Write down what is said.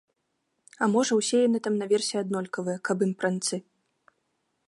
А можа, усе яны там наверсе аднолькавыя, каб ім пранцы.